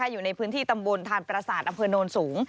อยู่ในพื้นที่ตำบลธาญประศาจอเผือนนวลสูง